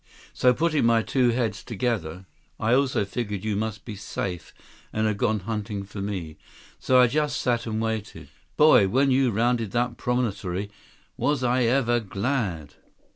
So, putting my two heads together, I also figured you must be safe and had gone hunting for me. So I just sat and waited. Boy, when you rounded that promontory, was I ever glad!"